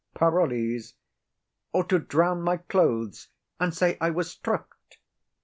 PAROLLES. Or to drown my clothes, and say I was stripped.